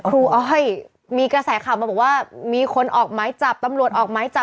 อ้อยมีกระแสข่าวมาบอกว่ามีคนออกหมายจับตำรวจออกไม้จับ